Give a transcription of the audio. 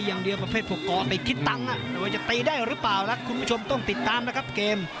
อย่างเดียวประเภทพวกก่อติดคิดตังค์ไม่ว่าจะตีได้หรือเปล่านะคุณผู้ชมต้องติดตามนะครับเกม